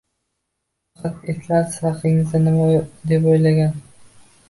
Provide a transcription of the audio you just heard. Faqat itlar siz haqingizda nima deb o'ylagan